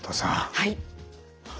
はい。